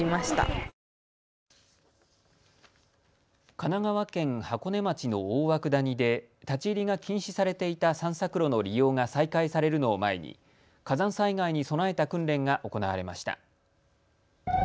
神奈川県箱根町の大涌谷で立ち入りが禁止されていた散策路の利用が再開されるのを前に火山災害に備えた訓練が行われました。